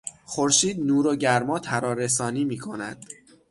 خورشید نور و گرما ترارسانی میکند.